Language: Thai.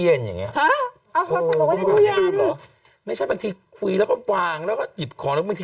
อยู่ในแบบว่าตู้เสื้อผ้าบางทีตอนใส่แล้วก็วางเอาไว้ดูนู่นดูนี่